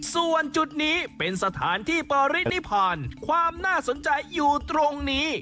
ส่วนจุดนี้เป็นสถานที่ปรินิพานความน่าสนใจอยู่ตรงนี้